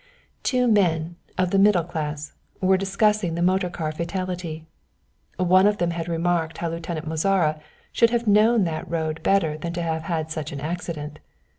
Two men, of the middle class, were discussing the motor car fatality. One of them had remarked how Lieutenant Mozara should have known that road better than to have had such an accident.